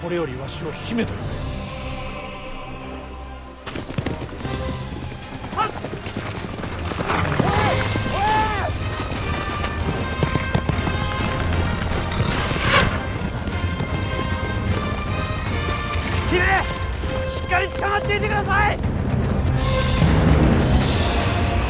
しっかりつかまっていてください！